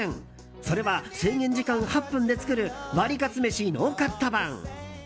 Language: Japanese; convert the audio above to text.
それは制限時間８分で作るワリカツめしノーカット版。